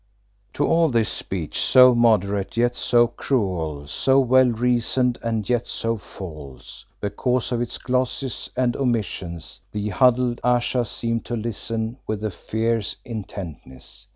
To all this speech, so moderate yet so cruel, so well reasoned and yet so false, because of its glosses and omissions, the huddled Ayesha seemed to listen with a fierce intentness.